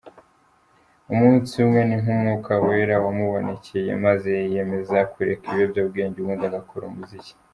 Umunsi umwe, ni nk’umwuka wera wamubonekeye maze yiyemeza kureka ibiyobyebwenga ubundi agakora umuziki.